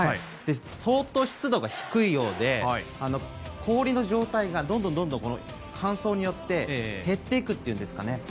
相当、湿度が低いようで氷の状態がどんどん乾燥によって減っていくというんですかね。